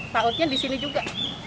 pak rw nya di sini juga